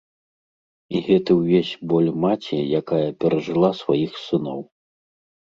І гэты ўвесь боль маці, якая перажыла сваіх сыноў.